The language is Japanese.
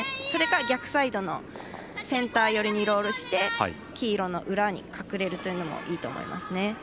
それか、逆サイドのセンター寄りにロールして黄色の裏に隠れるというのもいいと思います。